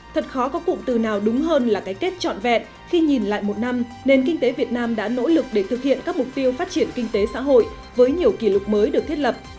thật khó có cụm từ nào đúng hơn là cái kết trọn vẹn khi nhìn lại một năm nền kinh tế việt nam đã nỗ lực để thực hiện các mục tiêu phát triển kinh tế xã hội với nhiều kỷ lục mới được thiết lập